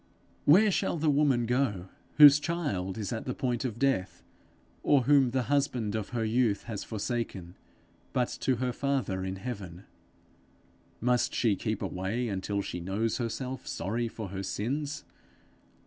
Where shall the woman go whose child is at the point of death, or whom the husband of her youth has forsaken, but to her Father in heaven? Must she keep away until she knows herself sorry for her sins?